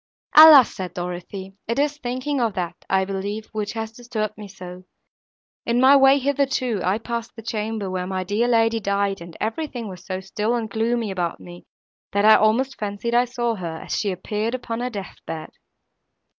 "Alas," said Dorothée, "it is thinking of that, I believe, which has disturbed me so. In my way hither too, I passed the chamber, where my dear lady died, and everything was so still and gloomy about me, that I almost fancied I saw her, as she appeared upon her death bed."